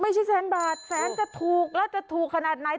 เฮ้ยไม่ใช่แสนบาทแสนจะถูกแล้วจะถูกขนาดไหน